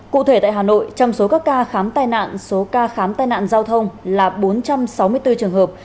cụ thể tại hà nội trong số các ca khám tai nạn số ca khám tai nạn giao thông là bốn trăm sáu mươi bốn trường hợp